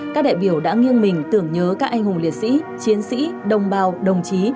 các đại biểu đã nghiêng mình tưởng nhớ các anh hùng liệt sĩ chiến sĩ đồng bào đồng chí